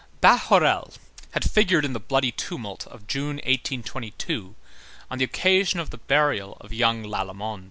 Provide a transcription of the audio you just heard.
Bahorel had figured in the bloody tumult of June, 1822, on the occasion of the burial of young Lallemand.